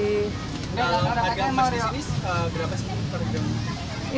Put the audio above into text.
kalau harga emas di sini berapa sih